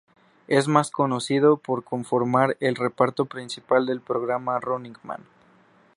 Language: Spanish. Es más conocido por conformar el reparto principal del programa "Running Man".